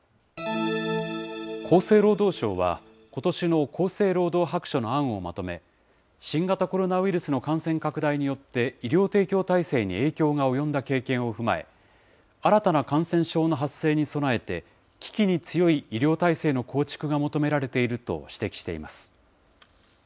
厚生労働省は、ことしの厚生労働白書の案をまとめ、新型コロナウイルスの感染拡大によって医療提供体制に影響が及んだ経験を踏まえ、新たな感染症の発生に備えて危機に強い医療体制の構築が求められていると指摘しています。